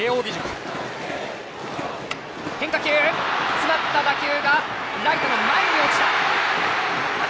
詰まった打球がライトの前に落ちた！